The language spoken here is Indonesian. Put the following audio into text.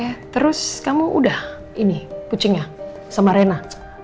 eh terus kamu udah ini kucingnya sama rena